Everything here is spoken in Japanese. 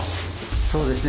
そうですね。